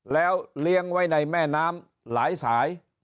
แล้วเลี้ยงไว้ในแม่น้ำหลายสาย